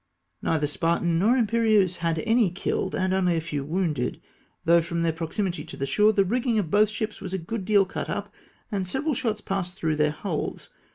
Neither Spartan nor Imperieuse had any killed, and only a few wounded, though, from then proximity to the shore, the rigging of both ships was a good deal cut up, and several shots passed through their hulls.